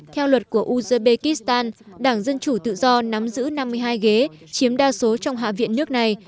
theo luật của uzbekistan đảng dân chủ tự do nắm giữ năm mươi hai ghế chiếm đa số trong hạ viện nước này